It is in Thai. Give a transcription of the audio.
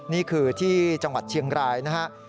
นี่คือที่จังหวัดเชียงรายนะฮะ